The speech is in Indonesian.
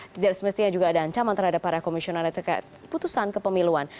tidak semestinya juga ada ancaman terhadap para komisioner terkait putusan kepemiluan